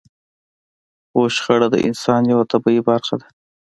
خو شخړه د انسان يوه طبيعي برخه ده.